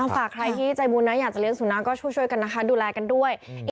ฝากใครที่ใจบุญนะอยากจะเลี้ยสุนัขก็ช่วยกันนะคะดูแลกันด้วย